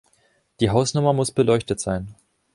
Die Hausnummer muss beleuchtet sein.